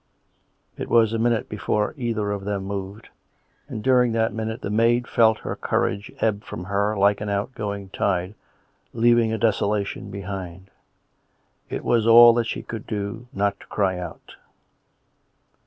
It was a minute before either of them moved, and during that minute the maid felt her courage ebb from her like an outgoing tide, leaving a desolation behind. It was all that she could do not to cry out.